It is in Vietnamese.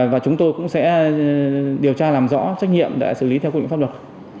và chúng tôi cũng sẽ điều tra làm rõ trách nhiệm để xử lý theo quyền pháp luật